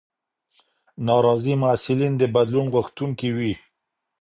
ناراضي محصلین د بدلون غوښتونکي وي.